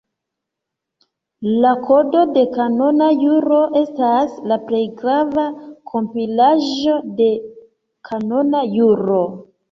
La Kodo de Kanona Juro estas la plej grava kompilaĵo de kanona juro.